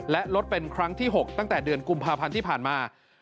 และลดเป็นครั้งที่๖ตั้งแต่เดือนกุมภาพันธ์ที่ผ่านมา